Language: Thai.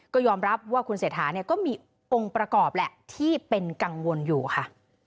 ก็ยอมรับว่าคุณเศรษฐาเนี่ยก็มีองค์ประกอบแหละที่เป็นกังวลอยู่ค่ะ